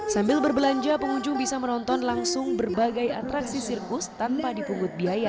sambil berbelanja pengunjung bisa menonton langsung berbagai atraksi sirkus tanpa dipungut biaya